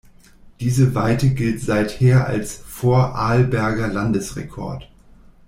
Diese Weite gilt seither als Vorarlberger Landesrekord.